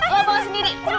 lu bawa sendiri